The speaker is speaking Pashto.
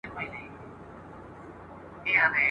ښځه سوه په خوشالي کورته روانه !.